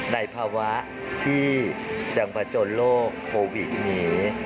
ในภาวะที่ดังผจญโรคโควิดนี้